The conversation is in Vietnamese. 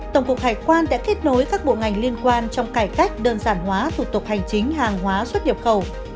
tổng cục hải quan đã kết nối các bộ ngành liên quan trong cải cách đơn giản hóa thủ tục hành chính hàng hóa xuất nhập khẩu